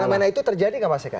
fenomena itu terjadi nggak mas eka